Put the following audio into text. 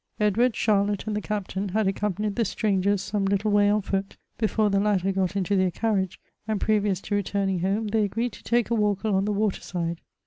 Edward, Charlotte, and the Captain had accompanied the strangers some little way on foot, before the latter got into their carriage, and previous to returning home they agreed to take a walk along the water side.